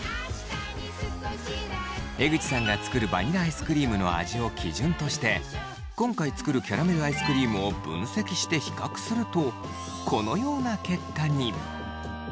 江口さんが作るバニラアイスクリームの味を基準として今回作るキャラメルアイスクリームを分析して比較するとこのような結果に。